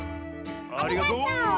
ありがとう！